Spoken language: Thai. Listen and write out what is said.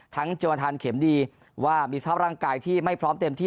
โจทานเข็มดีว่ามีสภาพร่างกายที่ไม่พร้อมเต็มที่